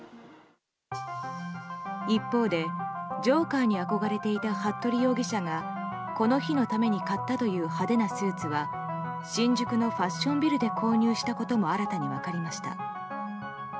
一方で、ジョーカーに憧れていた服部容疑者がこの日のために買ったという派手なスーツは新宿のファッションビルで購入したことも新たに分かりました。